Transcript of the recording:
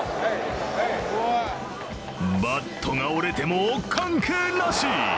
バットが折れても関係なし。